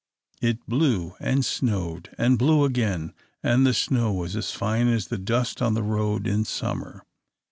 It blew and snowed, and blew again, and the snow was as fine as the dust on a road in summer.